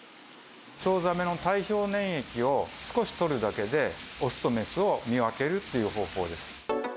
チョウザメの体表粘液を少し採るだけで、オスとメスを見分けるっていう方法です。